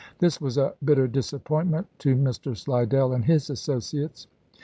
This was a bitter disappointment to Mr. Slidell and his associates.